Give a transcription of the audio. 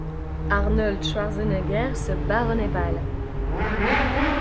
Arnold Schwartzenegger se barre au Népal.